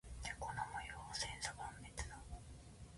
猫の模様は千差万別だ。